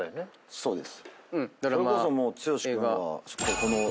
そうです。